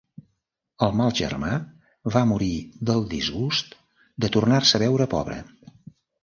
El mal germà va morir del disgust de tornar-se a veure pobre.